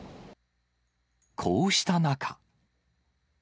こうした中。